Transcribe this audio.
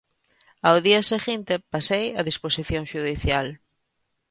Ao día seguinte pasei a disposición xudicial.